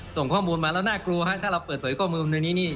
ส่งข้อมูลมาแล้วน่ากลัวฮะถ้าเราเปิดเผยข้อมูลในนี้นี่